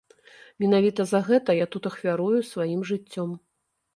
Менавіта за гэта я тут ахвярую сваім жыццём.